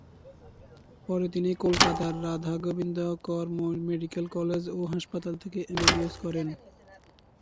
পরে তিনি কলকাতার রাধাগোবিন্দ কর মেডিক্যাল কলেজ ও হাসপাতাল থেকে এমবিবিএস করেন।